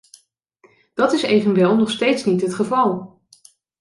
Dat is evenwel nog steeds niet het geval.